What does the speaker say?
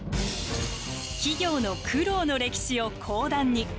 企業の苦労の歴史を講談に。